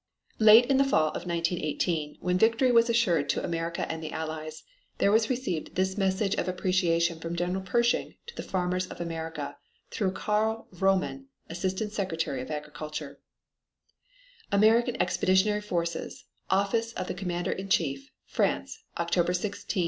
Late in the fall of 1918 when victory was assured to America and the Allies, there was received this message of appreciation from General Pershing to the farmers of America, through Carl Vrooman, Assistant Secretary of Agriculture: AMERICAN EXPEDITIONARY FORCES, Office of the Commander in Chief, France, October 16, 1918.